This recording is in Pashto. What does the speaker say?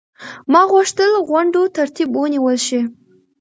ما غوښتل غونډو ترتیب ونیول شي.